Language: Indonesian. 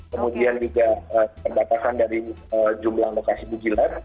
kemudian juga terbatasan dari jumlah lokasi bugilat